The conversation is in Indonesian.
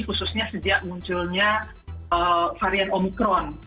khususnya sejak munculnya varian omikron